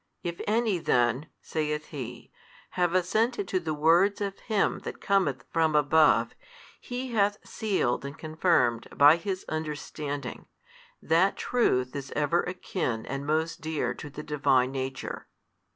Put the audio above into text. If any then (saith he) have assented to the words of Him That cometh from above, he hath sealed and confirmed by his understanding, that truth is ever akin and most dear to the Divine Nature.